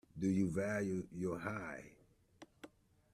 Do you value your hide.